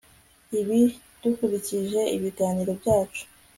Ibi dukurikije ibiganiro byacu